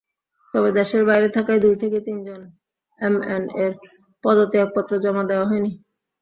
তবে দেশের বাইরে থাকায় দুই থেকে তিনজন এমএনএর পদত্যাগপত্র জমা দেওয়া হয়নি।